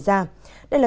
đây là thông tin